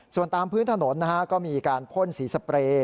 ส่วนตามพื้นถนนก็มีการพ่นสีสเปรย์